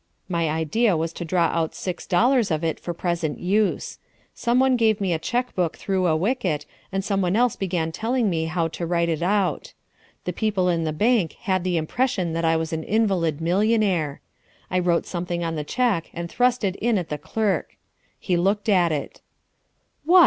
My idea was to draw out six dollars of it for present use. Someone gave me a chequebook through a wicket and someone else began telling me how to write it out. The people in the bank had the impression that I was an invalid millionaire. I wrote something on the cheque and thrust it in at the clerk. He looked at it. "What!